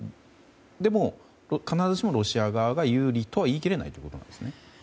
でも、必ずしもロシア側が有利とは言い切れないということなんですね？